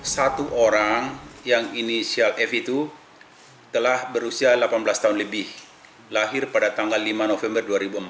satu orang yang inisial f itu telah berusia delapan belas tahun lebih lahir pada tanggal lima november dua ribu empat belas